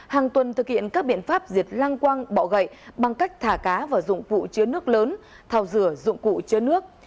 hàng tuần thực hiện các biện pháp diệt lăng quăng bọ gậy bằng cách thả cá vào dụng cụ chứa nước lớn thảo rửa dụng cụ chứa nước